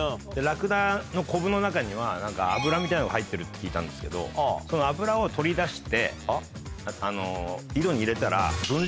ラクダのコブの中には脂みたいなのが入ってるって聞いたんですけどその脂を取り出して井戸に入れたら。